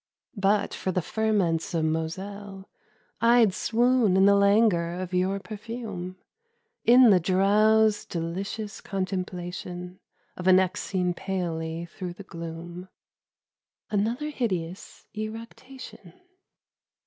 But for the ferments of Moselle, I 'd swoon in the languor of your perfume, In the drowsed delicious contemplation Of a neck seen palely through the gloom, Another hideous eructation.